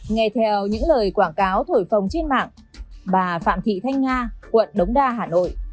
nghe theo những lời quảng cáo thổi phồng trên mạng bà phạm thị thanh nga quận đống đa hà nội